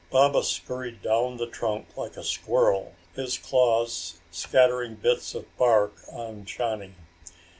Baba scurried down the trunk like a squirrel, his claws scattering bits of bark on Johnny.